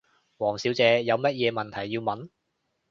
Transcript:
王小姐，有乜嘢問題要問？